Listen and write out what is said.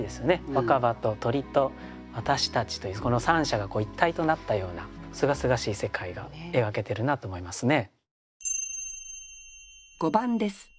「若葉」と「鳥」と「私たち」というこの３者が一体となったようなすがすがしい世界が描けてるなと思いますね。